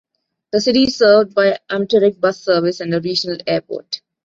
The city is served by Amtrak, bus service, and a regional airport.